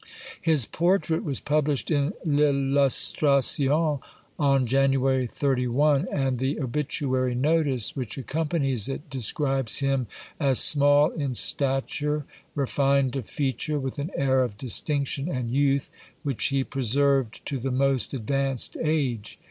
^ His portrait was published in L! Illustration on January 31, and the obituary notice which accompanies it describes him as small in stature, refined of feature, with an air of distinction and youth which he preserved to the most advanced age.